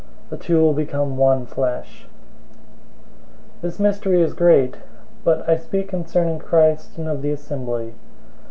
The two will become one flesh."{Genesis 2:24} 005:032 This mystery is great, but I speak concerning Christ and of the assembly.